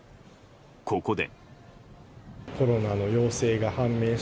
ここで。